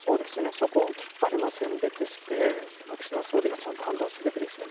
そこをきっぱり線引きして、岸田総理がちゃんと判断すべきですよね。